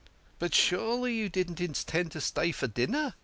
" But, surely, you don't intend to stay to dinner